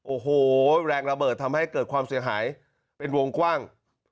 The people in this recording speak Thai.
โอ้โหแรงระเบิดทำให้เกิดความเสียหายเป็นวงกว้าง